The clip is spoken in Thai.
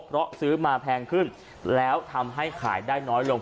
ลูกค้าจะรับไม่ไหวอยู่แล้วอ่ะแล้วเราขายเราก็น้อยลง